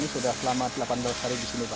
sudah selama delapan belas hari di sini pak